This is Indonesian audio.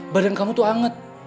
badan kamu tuh anget